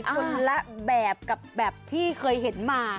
คนละแบบกับแบบที่เคยเห็นมา